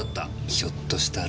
ひょっとしたら。